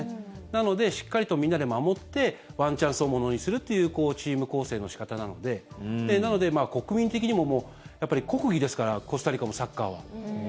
なのでしっかりとみんなで守ってワンチャンスをものにするというチーム構成の仕方なのでなので国民的にも国技ですからコスタリカも、サッカーは。